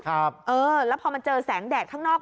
แล้วพอมันเจอแสงแดดข้างนอก